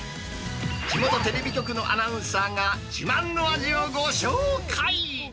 地元テレビ局のアナウンサーが、自慢の味をご紹介。